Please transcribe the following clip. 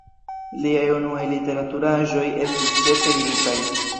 Liaj unuaj literaturaĵoj estis ĉefe lirikaj.